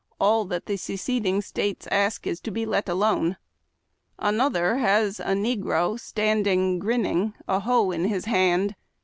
All that the Seceding States ask is to be let alone." Another has a negro standing grinning, a hoe in his hand.